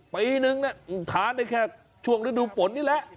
ปีนึงทานได้แค่ช่วงฤดูฝนนี่แหละ